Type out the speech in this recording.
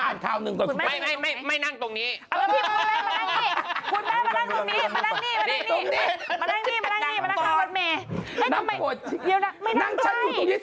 ้านางลั่งเร็วนั่งข้าวให้จบก่อน